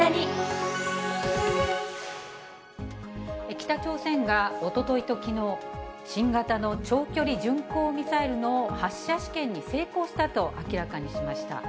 北朝鮮がおとといときのう、新型の長距離巡航ミサイルの発射試験に成功したと明らかにしました。